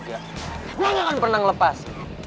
ngga gue nyokn pernah lepas